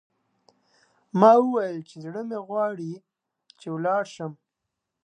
ما وویل چې، زړه مې غواړي چې ولاړ شم.